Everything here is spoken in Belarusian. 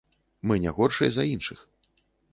Мы не горшыя за іншых.